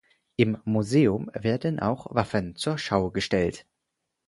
Im Museum werden auch Waffen zur Schau gestellt.